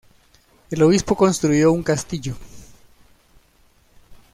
El obispo construyó un castillo.